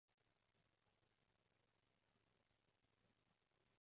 有講嘢啊，咪就係每日兩三次